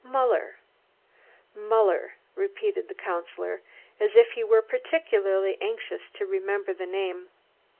"Muller, Muller," repeated the Councillor, as if he were particularly anxious to remember the name.